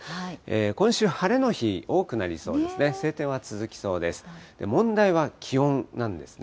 今週、晴れの日、多くなりそうですね。